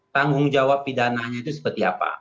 tanggung jawab pidananya itu seperti apa